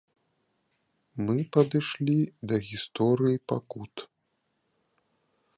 Мы падышлі да гісторыі пакут.